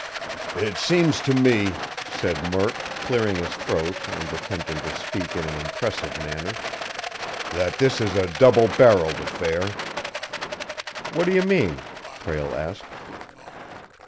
"It seems to me," said Murk, clearing his throat and attempting to speak in an impressive manner, "that this is a double barreled affair." "What do you mean?" Prale asked.